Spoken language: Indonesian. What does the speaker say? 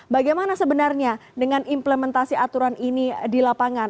bagaimana sebenarnya dengan implementasi aturan ini di lapangan